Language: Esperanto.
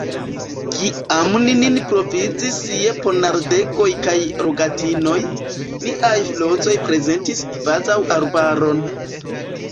Kiam ni nin provizis je ponardegoj kaj rogatinoj, niaj flosoj prezentis kvazaŭ arbaron.